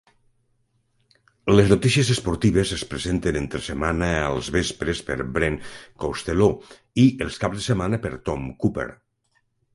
Les notícies esportives es presenten entre setmana els vespres per Brent Costelloe i els caps de setmana per Tom Cooper.